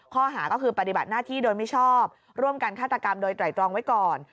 ข้อหาก็คือปฏิบัติหน้าที่โดยมิชอบร่วมกันฆาตกรรมโดยไตรตรองไว้ก่อน